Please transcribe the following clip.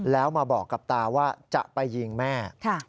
แล้วมาบอกกับตาว่าจะไปยิงแม่